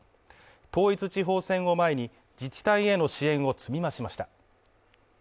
統一地方選を前に、自治体への支援を積み増しました。